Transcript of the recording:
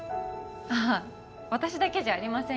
ああ私だけじゃありませんよ